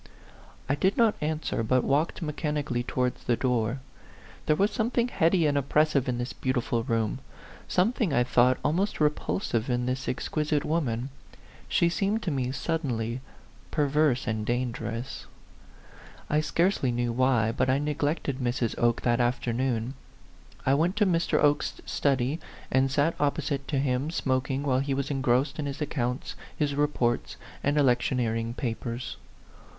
I did not answer, but walked mechanical ly towards the door. There was something heady and oppressive in this beautiful room ; something, I thought, almost repulsive in this exquisite woman. She seemed to me, sud denly, perverse and dangerous. I scarcely know why, but I neglected Mrs. Oke that afternoon. I went to Mr. Oke's study, and sat opposite to him smoking while he was engrossed in his accounts, his reports, and electioneering papers.